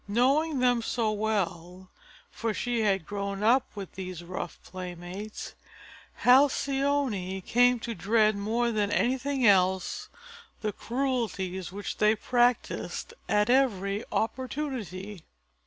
Knowing them so well, for she had grown up with these rough playmates, Halcyone came to dread more than anything else the cruelties which they practiced at every opportunity.